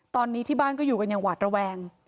ตอนนี้ที่บ้านก็อยู่กันอย่างหวาดระแวง